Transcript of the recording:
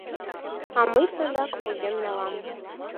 — А мый садак поген налам!